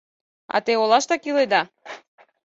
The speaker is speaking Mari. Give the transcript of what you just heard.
А те олаштак иледа?